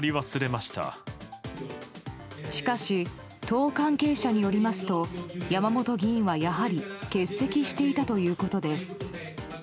しかし、党関係者によりますと山本議員は、やはり欠席していたということです。